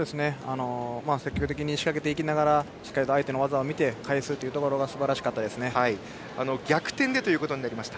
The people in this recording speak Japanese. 積極的に仕掛けていきながらしっかり相手の技を見て返すというところが逆転でした。